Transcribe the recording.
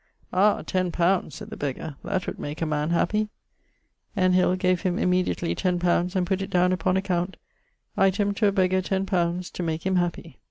'Ah! ten pound!' (said the beggar) 'that would make a man happy.' N. Hill gave him immediately 10 li. and putt it downe upon account, 'Item, to a beggar ten pounds, to make him happy.'